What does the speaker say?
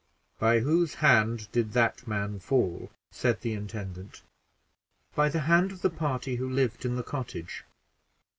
"By whose hand did that man fall?" said the intendant. "By the hand of the party who lived in the cottage."